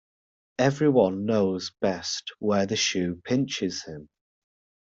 Every one knows best where the shoe pinches him.